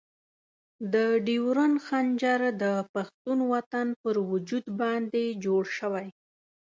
د ډیورنډ خنجر د پښتون وطن پر وجود باندې جوړ شوی.